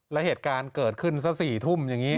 แล้วเหตุการณ์เกิดขึ้นสัก๔ทุ่มอย่างนี้